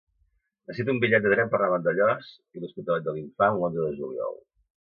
Necessito un bitllet de tren per anar a Vandellòs i l'Hospitalet de l'Infant l'onze de juliol.